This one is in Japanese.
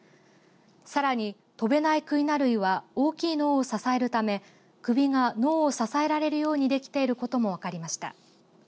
さらに飛べないクイナ類は大きい脳を支えるため首が脳を支えられるようにできていることも分かりました。